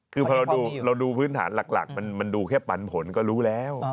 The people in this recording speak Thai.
คือพอเราดูพื้นฐานหลักมันดูแค่ปันผลก็รู้แล้ว